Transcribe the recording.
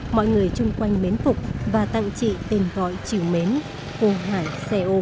mọi người chung quanh mến phục và tặng chị tên gọi chịu mến cô hải xe ôm